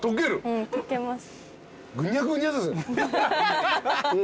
うんとけます。